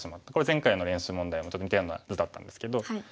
前回の練習問題も似たような図だったんですけど。